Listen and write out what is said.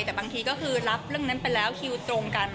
แต่บางทีก็คือรับเรื่องนั้นไปแล้วคิวตรงกัน